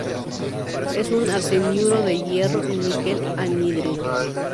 Es un arseniuro de hierro y níquel, anhidro.